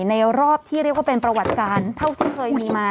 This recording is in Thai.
ในรอบที่เรียกว่าเป็นประวัติการเท่าที่เคยมีมา